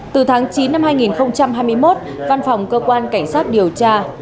từ tháng chín năm hai nghìn hai mươi một văn phòng cơ quan cảnh sát điều tra